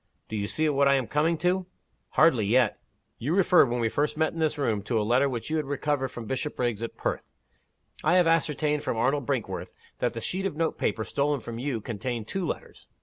"Do you see what I am coming to?" "Hardly yet." "You referred, when we first met in this room, to a letter which you recovered from Bishopriggs, at Perth. I have ascertained from Arnold Brinkworth that the sheet of note paper stolen from you contained two letters.